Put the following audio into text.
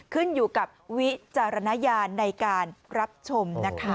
ขึ้นอยู่กับวิจารณญาณในการรับชมนะคะ